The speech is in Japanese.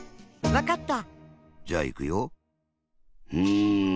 わかった？